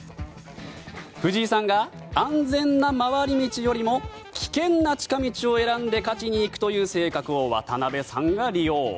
藤井さんが安全な回り道よりも危険な近道を選んで勝ちにいくという性格を渡辺さんが利用。